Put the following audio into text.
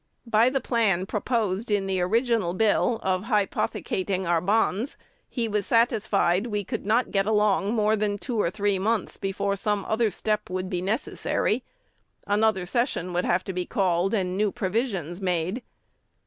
"By the plan proposed in the original bill of hypothecating our bonds, he was satisfied we could not get along more than two or three months before some other step would be necessary: another session would have to be called, and new provisions made.